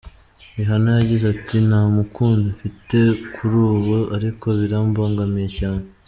Rihanna yagize ati: “ Ntamukunzi mfite kuri ubu, ariko birambangamiye cyane.